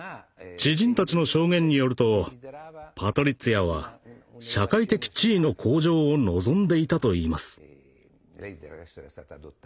知人たちの証言によるとパトリッツィアは社会的地位の向上を望んでいたといいます。